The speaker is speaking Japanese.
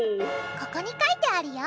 ここに書いてあるよ！